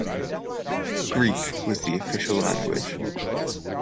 Greek was the official language.